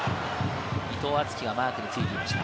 伊藤敦樹がマークに付いていました。